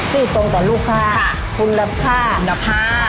สื่อตรงต่อลูกค่ะคุณรับค่ะ